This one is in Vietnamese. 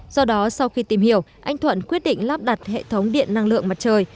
do đó sau khi tìm hiểu anh thuận quyết định lắp đặt hệ thống điện năng lượng mặt trời